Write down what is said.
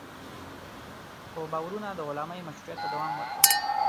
خو باورونه د غلامۍ مشروعیت ته دوام ورکړ.